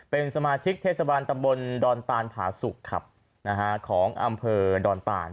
เป็นสมาชิกเทศบาลตำบลดอนตานผาสุกครับนะฮะของอำเภอดอนตาน